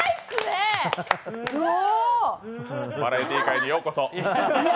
バラエティー界にようこそ。